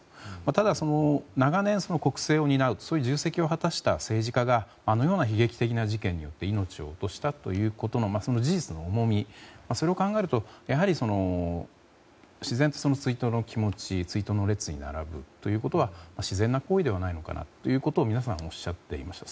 ただ長年国政を担う重責を果たした政治家があのような悲劇的な事件によって命を落としたというその事実の重みを考えるとやはり自然と、追悼の気持ち追悼の列に並ぶというのは自然な行為ではないのかなと皆さんがおっしゃっていました。